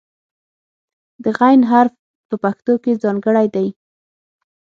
د "غ" حرف په پښتو کې ځانګړی دی.